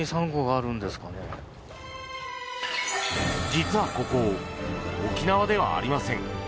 実はここ沖縄ではありません。